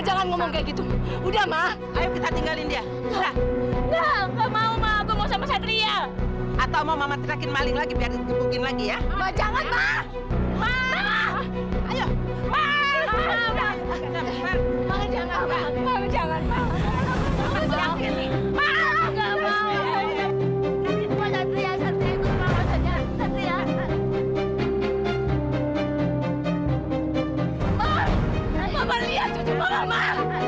sampai jumpa di video selanjutnya